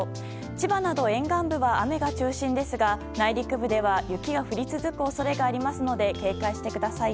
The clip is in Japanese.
千葉など沿岸部は雨が中心ですが内陸部では雪が降り続く恐れがありますので警戒してください。